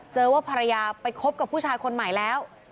เจอว่าภรรยาไปคบกับผู้ชายคนใหม่แล้ว